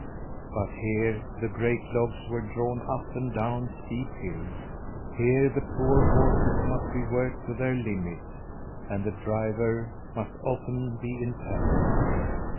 But here the great logs were drawn up and down steep hills; here the poor horses must be worked to their limit, and the driver must often be in peril.